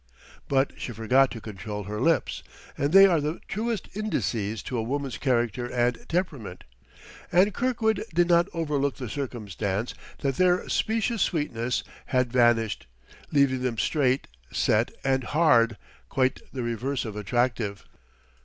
But she forgot to control her lips; and they are the truest indices to a woman's character and temperament; and Kirkwood did not overlook the circumstance that their specious sweetness had vanished, leaving them straight, set and hard, quite the reverse of attractive.